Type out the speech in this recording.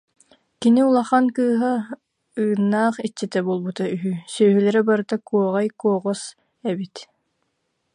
Кини улахан кыыһа Ыыннаах иччитэ буолбута үһү, сүөһүлэрэ барыта куоҕай куоҕас эбит